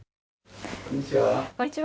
こんにちは。